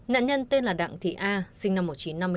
nạn nhân tên là đặng thị a sinh năm một nghìn chín trăm năm mươi tám